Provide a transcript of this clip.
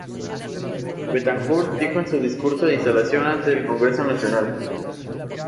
Betancourt dijo en su discurso de instalación ante el Congreso Nacional.